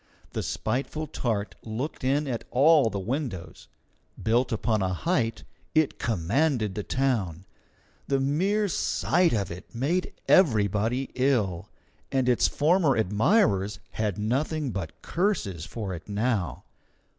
The spiteful tart looked in at all the windows. Built upon a height, it commanded the town. The mere sight of it made everybody ill, and its former admirers had nothing but curses for it now.